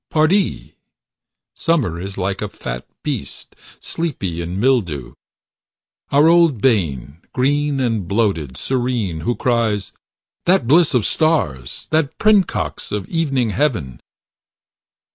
Pardie ! Summer is like a fat beast, sleepy in mildew. Our old bane, green and bloated, serene, who cries, "That bliss of stars, that princox of evening heaven!"